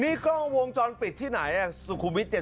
นี่กล้องวงจรปิดที่ไหนสุขุมวิทย